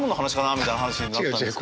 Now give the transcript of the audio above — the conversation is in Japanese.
みたいな話になったんですけど。